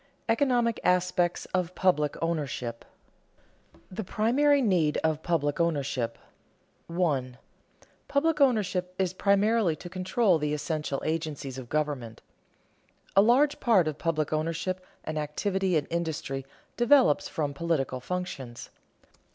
ECONOMIC ASPECTS OF PUBLIC OWNERSHIP [Sidenote: The primary need of public ownership] 1. Public ownership is primarily to control the essential agencies of government. A large part of public ownership and activity in industry develops from political functions.